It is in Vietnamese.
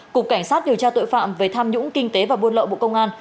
cục cảnh sát điều tra tội phạm về tham nhũng kinh tế và buôn lậu bộ công an